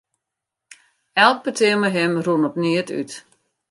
Elk petear mei him rûn op neat út.